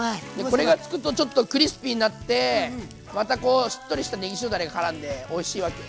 これがつくとちょっとクリスピーになってまたこうしっとりしたねぎ塩だれがからんでおいしいわけ。